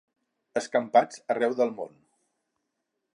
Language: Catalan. Escampats arreu del món.